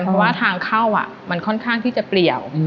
เพราะว่าทางเข้ามันค่อนข้างที่จะเปลี่ยว